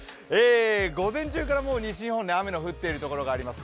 午前中から西日本、雨の降っているところがあります。